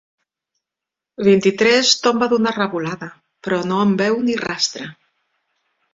Vint-i-tres tomba d'una revolada, però no en veu ni rastre.